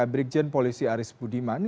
brikjen polisi aris budiman